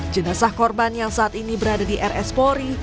jenazah korban yang saat ini berada di rs polri